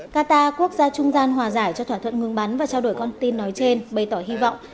qatar quốc gia trung gian hòa giải cho thỏa thuận ngừng bắn và trao đổi con tin nói trên bày tỏ hy vọng